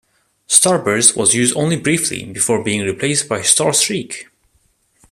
Starburst was used only briefly, before being replaced by Starstreak.